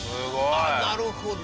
ああなるほど！